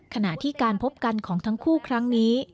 ขณะที่การพบกันของทั้งคู่ครั้งนี้